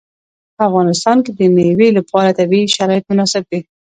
په افغانستان کې د مېوې لپاره طبیعي شرایط مناسب دي.